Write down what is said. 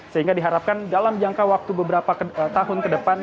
sehingga diharapkan dalam jangka waktu beberapa tahun ke depan